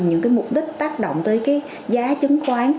những cái mục đích tác động tới cái giá chứng khoán